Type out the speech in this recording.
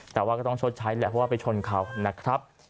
แต่ว่าก็ต้องชดใช้แหละเพราะว่าไปชนเขานะครับ